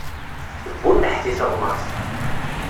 Tebbuneḥ di teɣmert.